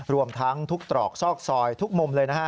รวมทั้งทุกตรอกซอกซอยทุกมุมเลยนะฮะ